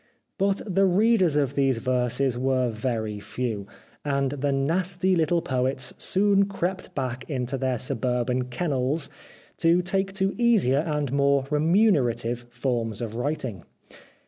But the readers of these verses were very few, and the nasty, httle poets soon crept back into their suourban kennels, to take to easier and more remunerative forms of writing.